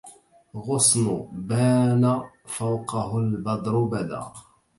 غصن بان فوقه البدر بدا